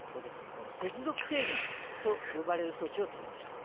この接続制限と呼ばれる措置を取りました。